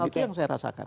itu yang saya rasakan